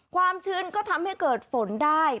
ความชื้นก็ทำให้เกิดฝนได้